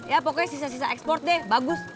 ya pokoknya sisa sisa ekspor deh bagus